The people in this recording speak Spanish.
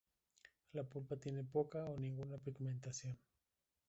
La pulpa tiene poca o ninguna pigmentación.